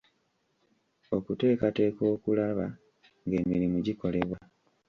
Okuteekateeka okulaba ng'emirimu gikolebwa.